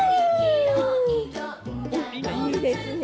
いいですね。